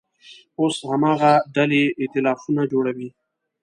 اوس هم هماغه ډلې اییتلافونه جوړوي.